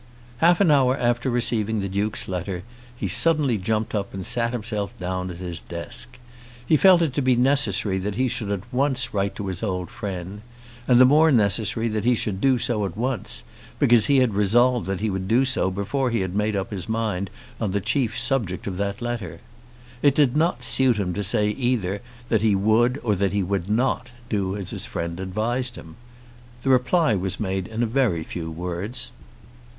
Half an hour after receiving the Duke's letter he suddenly jumped up and sat himself down at his desk. He felt it to be necessary that he should at once write to his old friend; and the more necessary that he should do so at once, because he had resolved that he would do so before he had made up his mind on the chief subject of that letter. It did not suit him to say either that he would or that he would not do as his friend advised him. The reply was made in a very few words.